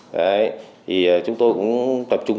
thì chúng tôi cũng tập trung